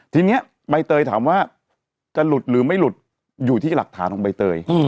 ทีนี้ใบเตยถามว่าจะหลุดหรือไม่หลุดอยู่ที่หลักฐานของใบเตย